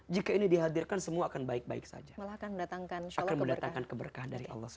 jika ini dihadirkan semua akan baik baik saja akan mendatangkan keberkahan dari allah sw